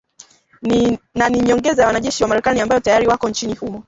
Na ni nyongeza ya wanajeshi wa Marekani ambao tayari wako nchini humo.